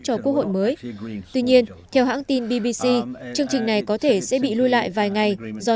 cho quốc hội mới tuy nhiên theo hãng tin bbc chương trình này có thể sẽ bị lùi lại vài ngày do